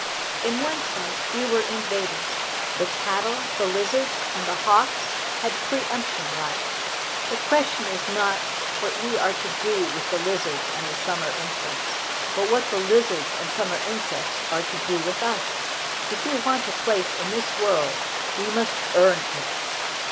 In one sense, we were innovators. The cattle, the lizards, and the hawks had pre emption right. The question is not what we are to do with the lizards and summer insects, but what the lizards and summer insects are to do with us. If we want a place in this world we must earn it.